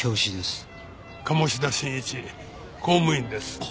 鴨志田新一公務員です。